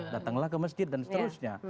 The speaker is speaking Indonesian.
datanglah ke masjid dan seterusnya